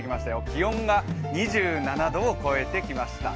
気温が２７度を超えてきました。